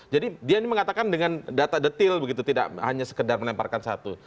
jadi dia ini mengatakan dengan data detail begitu tidak hanya sekedar melemparkan satu